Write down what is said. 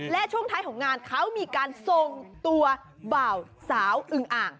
และช่วงท้ายของงานเขามีการส่งตัวบ่าวสาวอึงอ่าง